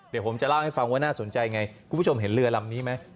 เดี๋ยวผมจะเล่าให้ฟังว่าน่าสนใจไงคุณผู้ชมเห็นเรือลำนี้ไหม